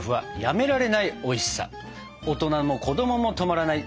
大人も子供も止まらない。